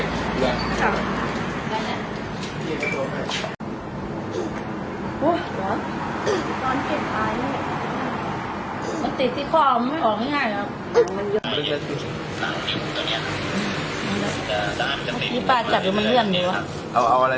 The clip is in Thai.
มันจะเจ็บไง